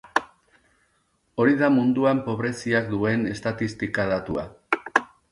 Hori da munduan pobreziak duen estatistika datua.